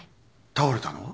倒れたのは？